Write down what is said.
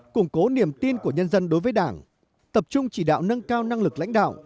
củng cố niềm tin của nhân dân đối với đảng tập trung chỉ đạo nâng cao năng lực lãnh đạo